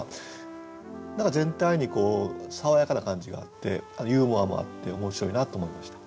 何か全体に爽やかな感じがあってユーモアもあって面白いなと思いました。